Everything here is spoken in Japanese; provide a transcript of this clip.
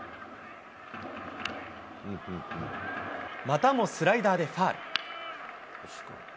またもスライダーでファウル。